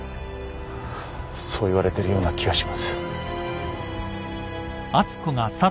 そう言われてるような気がします。